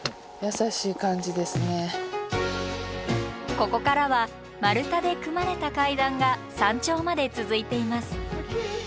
ここからは丸太で組まれた階段が山頂まで続いています。